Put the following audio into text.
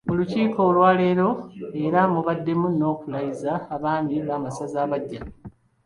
Mu Lukiiko lwaleero era mubaddemu n'okulayiza abaami b'amasaza abaggya.